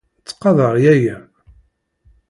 Ttqadar yaya.